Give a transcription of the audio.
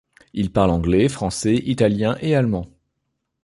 Il parle anglais, français, italien et allemand.